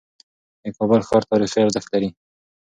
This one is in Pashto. د کابل ښار تاریخي ارزښت لري.